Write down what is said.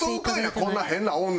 こんな変な女。